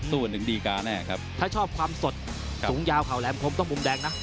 ถึงดีการแน่ครับถ้าชอบความสดสูงยาวเขาแหลมคมต้องมุมแดงนะ